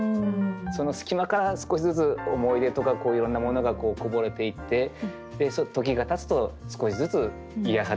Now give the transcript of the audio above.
その隙間から少しずつ思い出とかいろんなものがこぼれていってで時がたつと少しずつ癒やされていくというような。